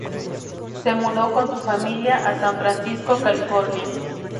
Se mudó con su familia a San Francisco, California.